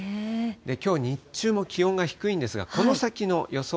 きょう日中も気温が低いんですが、この先の予想